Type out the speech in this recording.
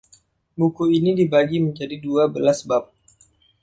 Buku ini dibagi menjadi dua belas bab.